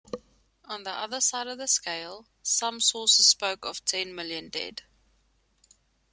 On the other side of the scale, some sources spoke of ten million dead.